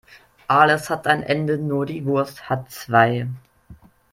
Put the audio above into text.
Alles hat ein Ende, nur die Wurst hat zwei.